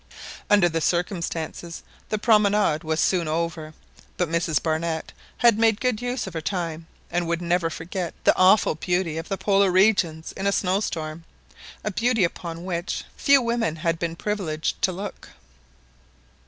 Under the circumstances the " promenade " was soon over; but Mrs Barnett bad made good use of her time, and would never forget the awful beauty of the Polar regions in a snow storm, a beauty upon which few women had been privileged to look.